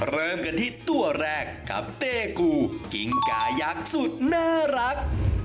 เริ่มกันที่ตัวแรกกับเต้กูกิงกายักษ์สุดน่ารัก